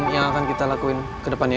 yang akan kita lakuin ke depannya